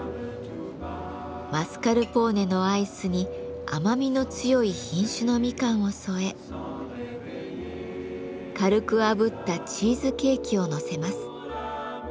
マスカルポーネのアイスに甘みの強い品種のミカンを添え軽くあぶったチーズケーキをのせます。